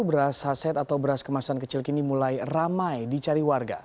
beras saset atau beras kemasan kecil kini mulai ramai dicari warga